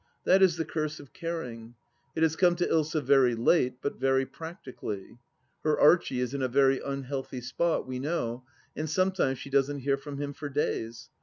That is the curse of THE LAST DITCH 295 caring. It has come to Ilsa very late, but very practically. Her Archie is in a very unhealthy spot, we know, and some times she doesn't hear from him for days